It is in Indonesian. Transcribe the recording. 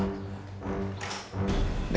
wah ini terkenal